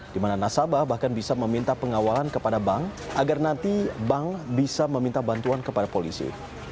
di mana nasabah bahkan bisa meminta pengawalan kepada bank agar nanti bank bisa meminta bantuan kepada polisi